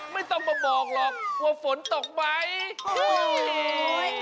ไม่ต้องมาบอกหรอกว่าฝนตกไหม